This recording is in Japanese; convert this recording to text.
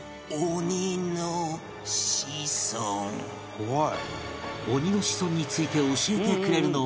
「怖い」